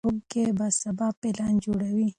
ښوونکي به سبا پلان جوړوي.